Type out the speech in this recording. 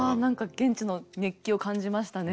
現地の熱気を感じましたね。